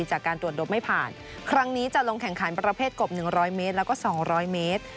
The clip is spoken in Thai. จากการตรวจดบไม่ผ่านครั้งนี้จะลงแข่งขันประเภทกบหนึ่งร้อยเมตรแล้วก็สองร้อยเมตร